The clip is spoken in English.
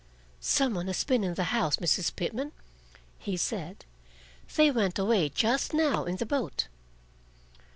"Some one has been in the house, Mrs. Pitman," he said. "They went away just now in the boat."